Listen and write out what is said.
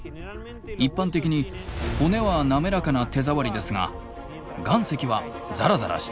一般的に骨は滑らかな手触りですが岩石はザラザラしています。